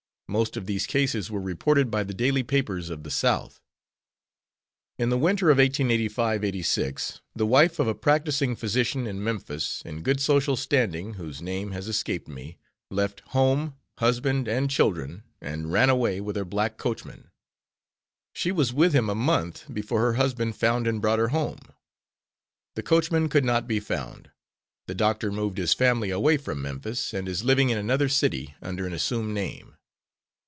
Most of these cases were reported by the daily papers of the South. In the winter of 1885 86 the wife of a practicing physician in Memphis, in good social standing whose name has escaped me, left home, husband and children, and ran away with her black coachman. She was with him a month before her husband found and brought her home. The coachman could not be found. The doctor moved his family away from Memphis, and is living in another city under an assumed name.